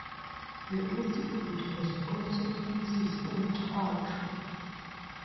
The institute has also premises in Tartu.